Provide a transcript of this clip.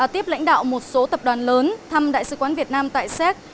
tiếp lãnh đạo một số tập đoàn lớn thăm đại sứ quán việt nam tại séc